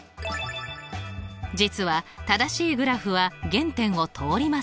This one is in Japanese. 実は正しいグラフは原点を通りません。